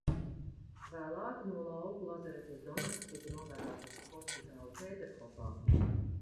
Vēlāk no lauku lazaretes Donats tika nogādāts uz hospitāli Pēterhofā.